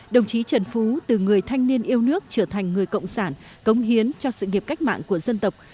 đồng chí trần phú từ người thanh niên yêu nước trở thành người cộng sản cống hiến cho sự nghiệp cách mạng của dân tộc